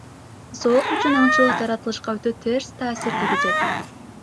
Зоок үчүн аңчылык жаратылышка өтө терс таасир тийгизет.